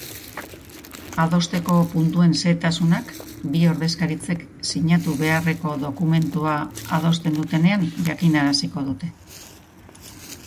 Adosteko puntuen xehetasunak bi ordezkaritzek sinatu beharreko dokumentua adosten dutenean jakinaraziko dute.